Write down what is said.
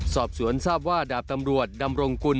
สอบสวนทราบว่าดาบตำรวจดำรงกุล